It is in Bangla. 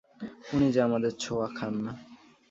উনি যে আমাদের ছোঁওয়া খান না।